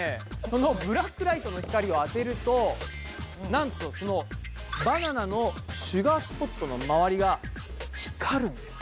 そのブラックライトの光を当てるとなんとそのバナナのシュガースポットのまわりが光るんです！